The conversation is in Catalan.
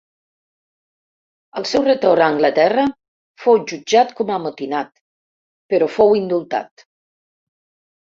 Al seu retorn a Anglaterra, fou jutjat com a amotinat, però fou indultat.